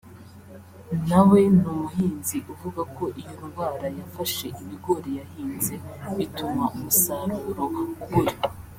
na we ni umuhinzi uvuga ko iyo ndwara yafashe ibigori yahinze bituma umusaruro ubura